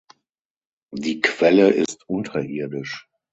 Die Quelle ist unterirdisch.